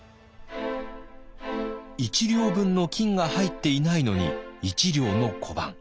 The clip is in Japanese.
１両分の金が入っていないのに１両の小判。